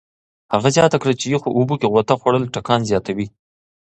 هغه زیاته کړه چې یخو اوبو کې غوطه خوړل ټکان زیاتوي.